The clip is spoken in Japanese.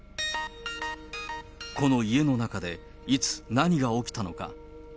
この家の中で、いつ、何が起きたのか。